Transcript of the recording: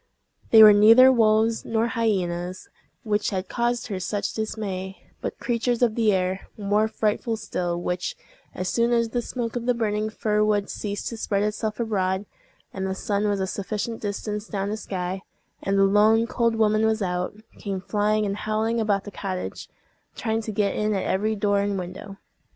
They were neither wolves nor hyenas which had caused her such dismay, but creatures of the air, more frightful still, which, as soon as the smoke of the burning fir wood ceased to spread itself abroad, and the sun was a sufficient distance down the sky, and the lone cold woman was out, came flying and howling about the cottage, trying to get in at every door and window.